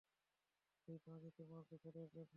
এই পানি তোমার গোসলের জন্য।